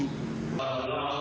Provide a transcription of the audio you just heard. tidak ada lagi